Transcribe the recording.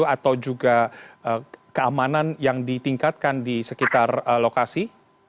atau juga keamanan yang ditingkatkan di sekitar lokasi